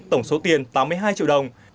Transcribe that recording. tổng số tiền tám mươi hai triệu đồng